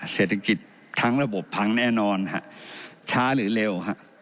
เศรษฐกิจทั้งระบบพังแน่นอนฮะช้าหรือเร็วฮะ